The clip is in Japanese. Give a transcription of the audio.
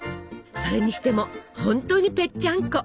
それにしてもほんとにぺっちゃんこ。